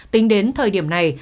tính đến thời điểm này